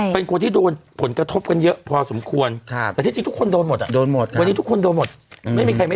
เป็นคนที่ผลกระทบกันเยอะพอสมควรแต่ที่จริงทุกคนโดนหมดอะ